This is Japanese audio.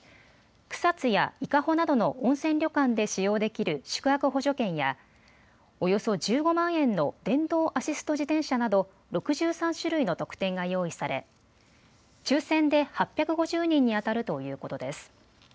草津や伊香保などの温泉旅館で使用できる宿泊補助券やおよそ１５万円の電動アシスト自転車など６３種類の特典が用意され抽せんで８５０人に当たるということです。